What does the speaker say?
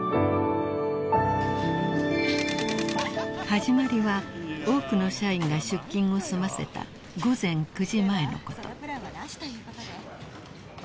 ［始まりは多くの社員が出勤を済ませた午前９時前のこと］